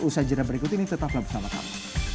usaha jenam berikut ini tetap bersama kami